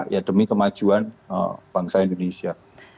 ya demi kemajuan bangsa indonesia